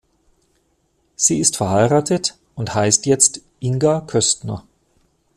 Sie ist verheiratet und heißt jetzt "Inga Köstner".